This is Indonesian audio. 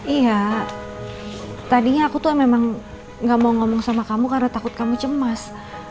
iya tadinya aku tuh memang gak mau ngomong sama kamu karena takut kamu cemas